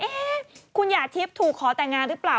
ว่าเอ๊ะคุณหยาดชิปถูกขอแต่งงานหรือเปล่า